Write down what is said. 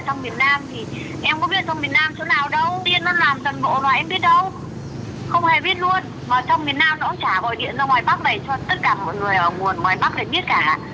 mà trong miền nam nó cũng trả gọi điện ra ngoài bắc này cho tất cả mọi người ở nguồn ngoài bắc này biết cả